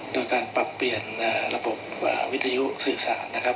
โดยการปรับเปลี่ยนระบบวิทยุสื่อสารนะครับ